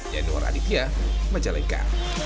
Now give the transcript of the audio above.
januari aditya majalengka